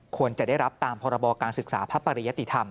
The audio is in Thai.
ควรจะได้รับตามพรบการศึกษาพระปริยติธรรม